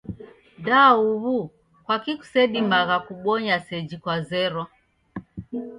Da huw'u kwaki kusedimagha kubonya seji kwazera.